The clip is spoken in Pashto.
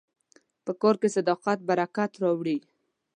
په کار کې صداقت برکت راوړي.